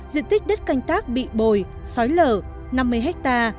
diện tích đất canh tác bị bồi xói lở năm mươi ha